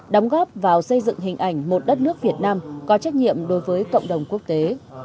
đóng góp vào xây dựng hình ảnh một đất nước việt nam có trách nhiệm đối với cộng đồng quốc tế